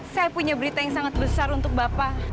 saya punya berita yang sangat besar untuk bapak